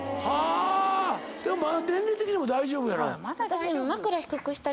まだ年齢的にも大丈夫やろ。